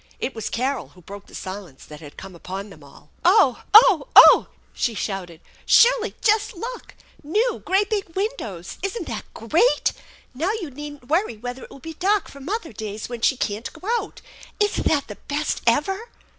It was Carol who broke the silence that had come upon them all. " Oh ! Oh ! Oh !" she shouted. " Shirley, just look ! New, great big windows ! Isn't that great ? Now you needn't worry whether it will be dark for mother days when she can't go out ! Isn't that the best ever?